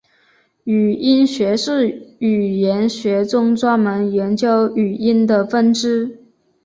语音学是语言学中专门研究语音的分支。